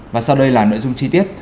và sau đây là nội dung chi tiết